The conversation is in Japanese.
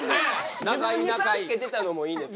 自分に「さん」付けてたのもいいんですか？